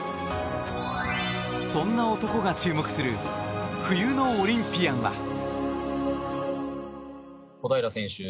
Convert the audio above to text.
そんな男が注目する冬のオリンピアンは。